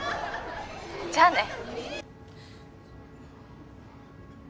じゃあね！